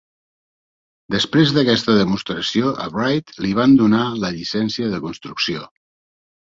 Després d'aquesta demostració a Wright li van donar la llicencia de construcció.